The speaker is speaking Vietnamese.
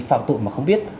phạm tội mà không biết